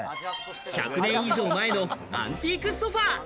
１００年以上前のアンティークソファ。